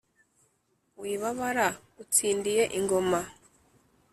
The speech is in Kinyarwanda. wibabara utsindiye ingoma